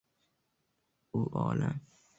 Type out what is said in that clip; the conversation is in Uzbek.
U olam